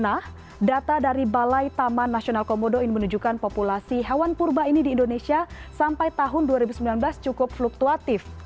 nah data dari balai taman nasional komodo ini menunjukkan populasi hewan purba ini di indonesia sampai tahun dua ribu sembilan belas cukup fluktuatif